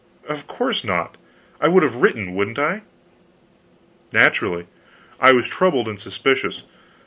"Of course not. I would have written, wouldn't I?" "Naturally. I was troubled and suspicious.